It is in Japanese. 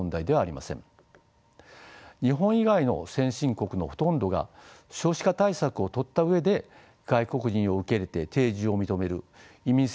日本以外の先進国のほとんどが少子化対策をとった上で外国人を受け入れて定住を認める移民政策をとっています。